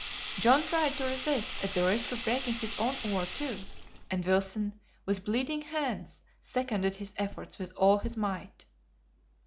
John tried to resist at the risk of breaking his own oar, too, and Wilson, with bleeding hands, seconded his efforts with all his might.